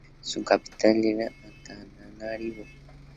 Su capital era Antananarivo.